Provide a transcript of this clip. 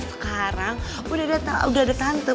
sekarang udah ada tante